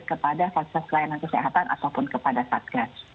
kepada faksa layanan kesehatan ataupun kepada satgas